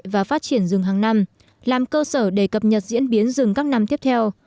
và phát triển rừng hàng năm làm cơ sở để cập nhật diễn biến rừng các năm tiếp theo